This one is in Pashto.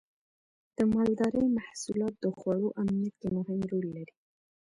د مالدارۍ محصولات د خوړو امنیت کې مهم رول لري.